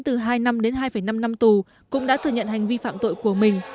từ hai năm đến hai năm năm tù cũng đã thừa nhận hành vi phạm tội của mình